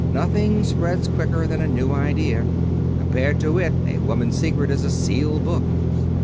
Nothing spreads quicker than a new idea. Compared to it a woman's secret is a sealed book."